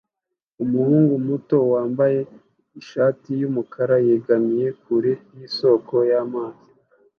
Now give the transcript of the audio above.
Umuhungu muto wambaye ishati yumukara yegamiye kure yisoko y'amazi